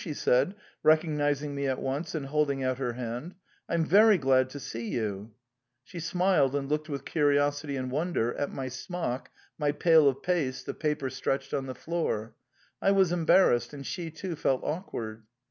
she said, recognising me at once and holding out her hand. " I am very glad to see you." She smiled and looked with a curious puzzled ex pression at my blouse and the pail of paste and the papers lying on the floor; I was embarrassed and she also felt awkward.